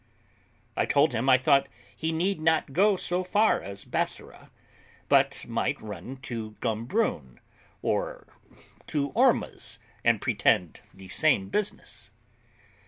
I told him I thought he need not go so far as Bassorah, but might run into Gombroon, or to Ormuz, and pretend the same business.